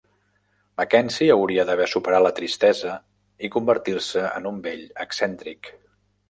Mackenzie hauria d'haver superat la tristesa i convertir-se en un vell excèntric.